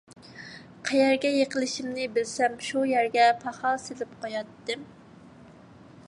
قەيەرگە يىقىلىشىمنى بىلسەم، شۇ يەرگە پاخال سېلىپ قوياتتىم.